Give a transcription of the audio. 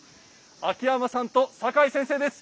秋山さんと坂井先生です。